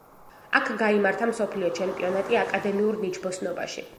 აქ გაიმართა მსოფლიო ჩემპიონატი აკადემიურ ნიჩბოსნობაში.